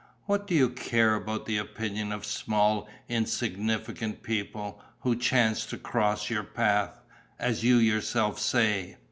"What do you care about the opinion of 'small, insignificant people, who chance to cross your path,' as you yourself say?"